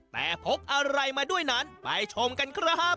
แต่พกอะไรมาด้วยนั้นไปชมกันครับ